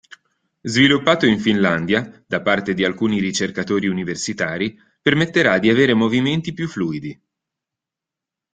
Sviluppato in Finlandia, da parte di alcuni ricercatori universitari, permetterà di avere movimenti più fluidi.